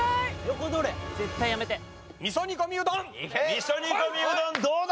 味噌煮込みうどんどうだ？